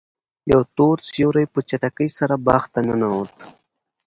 یو تور سیوری په چټکۍ سره باغ ته ننوت.